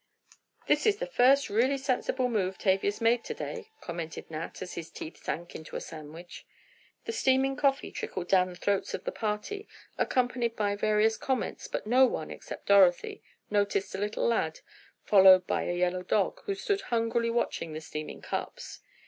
"This is the first really sensible move Tavia's made to day," commented Nat, as his teeth sank into a sandwich. The steaming coffee trickled down the throats of the party accompanied by various comments, but no one, except Dorothy, noticed a little lad, followed by a yellow dog, who stood hungrily watching the steaming cups.